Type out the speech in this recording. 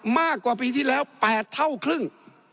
มากกว่าปีที่แล้ว๘เท่าครึ่ง